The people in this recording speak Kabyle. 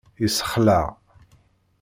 Yessexlaɛ!